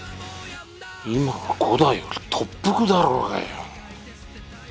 今は伍代より特服だろうがよぉ。